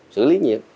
xử lý nhiệt